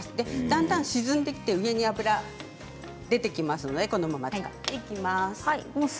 だんだん沈んで上に油が出てきますので、このまま使っていきます。